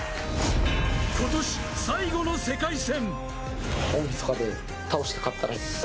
今年最後の世界戦。